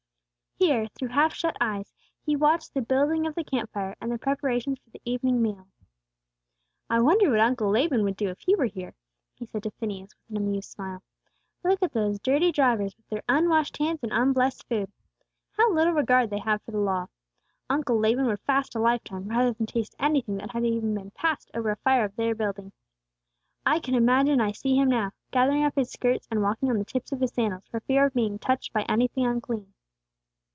Here, through half shut eyes, he watched the building of the camp fire, and the preparations for the evening meal. "I wonder what Uncle Laban would do if he were here!" he said to Phineas, with an amused smile. "Look at those dirty drivers with their unwashed hands and unblessed food. How little regard they have for the Law. Uncle Laban would fast a lifetime rather than taste anything that had even been passed over a fire of their building. I can imagine I see him now, gathering up his skirts and walking on the tips of his sandals for fear of being touched by anything unclean."